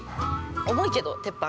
重いけど、鉄板。